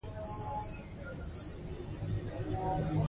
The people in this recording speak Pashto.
هغه د کورنۍ د روغتیا په اړه د ټولنیزو رسنیو ګټه اخلي.